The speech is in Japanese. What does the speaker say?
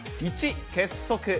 １、結束。